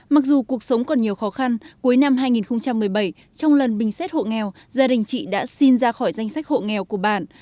mặc dù cuộc sống còn nhiều khó khăn cuối năm hai nghìn một mươi bảy trong lần bình xét hộ nghèo gia đình chị đã xin ra khỏi danh sách hộ nghèo của bản